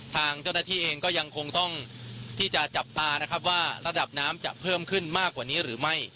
ทางเจ้าหน้าที่เองก็ยังคงต้องที่จะจับตานะครับว่าระดับน้ำจะเพิ่มขึ้นมากกว่านี้หรือไม่